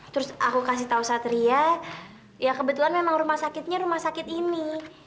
terus aku kasih tahu satria ya kebetulan memang rumah sakitnya rumah sakit ini